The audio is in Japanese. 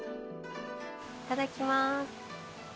いただきます。